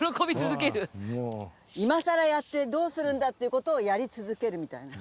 今さらやってどうするんだっていう事をやり続けるみたいな。